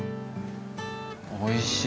おいしい。